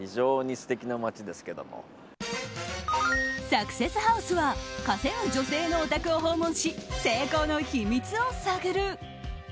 サクセスハウスは稼ぐ女性のお宅を訪問し成功の秘密を探る。